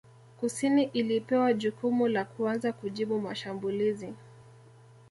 Kusini ilipewa jukumu la kuanza kujibu mashambulizi